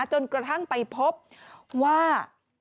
จนกระทั่งไปพบว่า